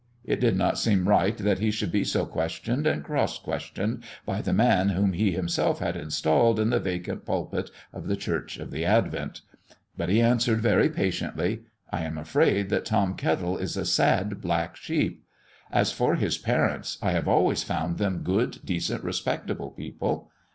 It did not seem right that he should be so questioned and cross questioned by the man whom he himself had installed in the vacant pulpit of the Church of the Advent; but he answered very patiently. "I am afraid that Tom Kettle is a sad black sheep. As for his parents, I have always found them good, decent, respectable people.